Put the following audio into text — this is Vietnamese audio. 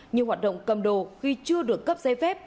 như hoạt động cầm đồ khi chưa được cấp giấy phép